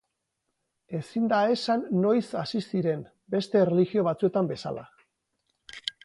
Ezin da esan noiz hasi ziren, beste erlijio batzuetan bezala.